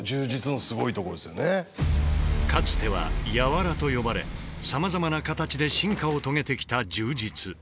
かつては柔と呼ばれさまざまな形で進化を遂げてきた柔術。